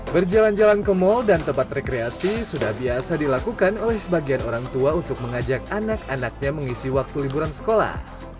berjalan jalan ke mal dan tempat rekreasi sudah biasa dilakukan oleh sebagian orang tua untuk mengajak anak anaknya mengisi waktu liburan sekolah